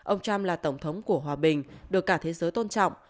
ông trump là tổng thống của hòa bình được cả thế giới tôn trọng